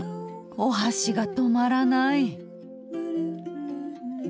お箸が止まらない。